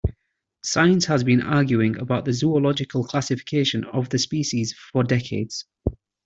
Science has been arguing about the zoological classification of the species for decades.